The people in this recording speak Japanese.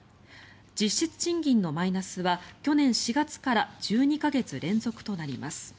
実質賃金のマイナスは去年４月から１２か月連続となります。